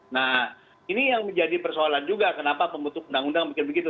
nah ini yang menjadi persoalan juga kenapa pembentuk undang undang bikin begitu